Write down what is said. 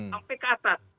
sampai ke atas